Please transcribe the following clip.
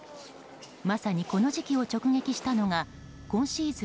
まさに、この時期を直撃したのが今シーズン